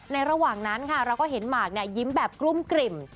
ระหว่างนั้นค่ะเราก็เห็นหมากยิ้มแบบกลุ้มกลิ่ม